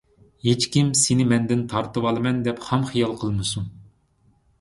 ھېچكىم سېنى مەندىن تارتىۋالىمەن دەپ خام خىيال قىلمىسۇن!